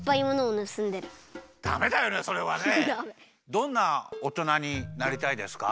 どんなおとなになりたいですか？